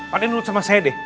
pak dek nurut sama saya deh